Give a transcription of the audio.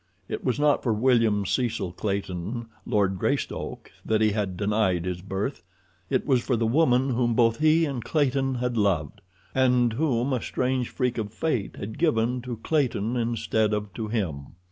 It was not for William Cecil Clayton, Lord Greystoke, that he had denied his birth. It was for the woman whom both he and Clayton had loved, and whom a strange freak of fate had given to Clayton instead of to him.